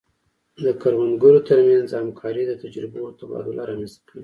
د کروندګرو ترمنځ همکاري د تجربو تبادله رامنځته کوي.